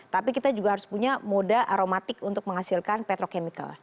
tapi kita juga harus punya moda aromatik untuk menghasilkan petrochemical